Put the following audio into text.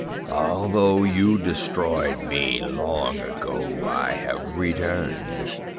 Although you destroyed me long ago, I have returned.